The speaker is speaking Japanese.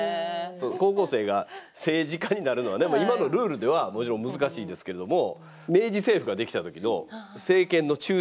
高校生が政治家になるのは今のルールではもちろん難しいですけれども。